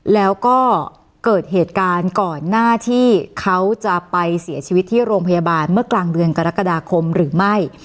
แล้วก็เกิดเหตุการณ์ก่อนหน้าที่เขาจะไปเสียชีวิตที่โรงพยาบาลเมื่อกลางเดือนกรกฎาคมหรือไม่